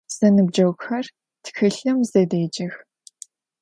Zenıbceğuxer txılhım zedêcex.